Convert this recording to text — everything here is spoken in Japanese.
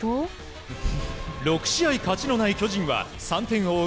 ６試合勝ちのない巨人は３点を追う